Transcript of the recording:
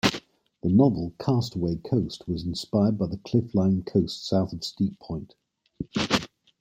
The novel "Castaway Coast" was inspired by the cliff-lined coast south of Steep Point.